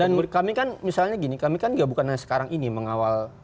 dan kami kan misalnya gini kami kan bukan hanya sekarang ini mengawal